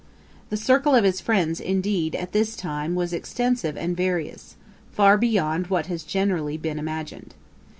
] The circle of his friends, indeed, at this time was extensive and various, far beyond what has been generally imagined.